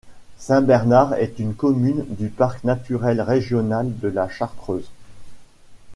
Saint-Bernard est une commune du parc naturel régional de la Chartreuse.